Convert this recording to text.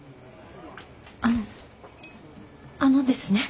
あのあのですね。